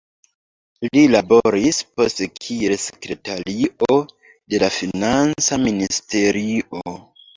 Li laboris poste kiel sekretario de la Financa ministerio.